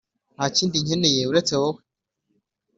nta kindi nkeneye uretse wowe